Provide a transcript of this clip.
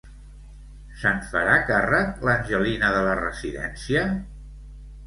Se'n farà càrrec l'Angelina de la residència?